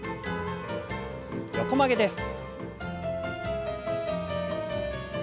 横曲げです。